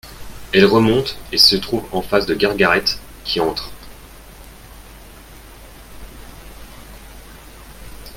Elle remonte et se trouve en face de Gargaret qui entre.